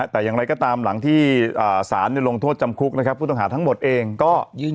แต่อย่างไรก็ตามหลังที่สารลงโทษจำคุกนะครับผู้ต้องหาทั้งหมดเองก็ยื่น